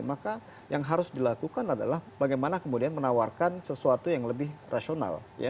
maka yang harus dilakukan adalah bagaimana kemudian menawarkan sesuatu yang lebih rasional